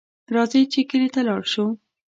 راځئ چې کلي ته لاړ شو